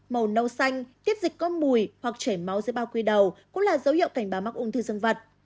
màu nâu xanh tiết dịch có mùi hoặc chảy máu dưới bao quy đầu cũng là dấu hiệu cảnh báo mắc ung thư dân vật